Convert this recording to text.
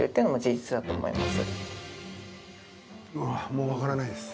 もう分からないです